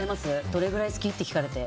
どれぐらい好き？って聞かれて。